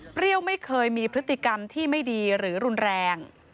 ไม่เคยมีพฤติกรรมที่ไม่ดีหรือรุนแรง